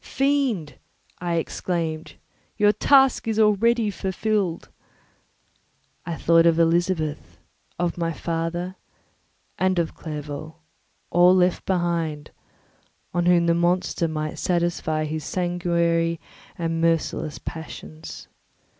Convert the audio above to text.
"Fiend," I exclaimed, "your task is already fulfilled!" I thought of Elizabeth, of my father, and of Clerval—all left behind, on whom the monster might satisfy his sanguinary and merciless passions.